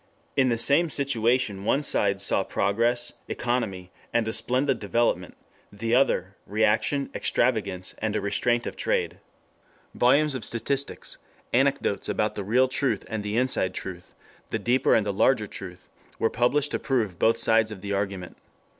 In the same situation one side saw progress, economy, and a splendid development; the other, reaction, extravagance, and a restraint of trade. Volumes of statistics, anecdotes about the real truth and the inside truth, the deeper and the larger truth, were published to prove both sides of the argument.